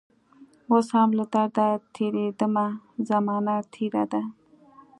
اوس هم له درده تیریدمه زمانه تیره ده